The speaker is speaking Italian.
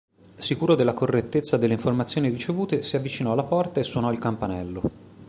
Sicuro della correttezza delle informazioni ricevute, si avvicinò alla porta e suonò il campanello.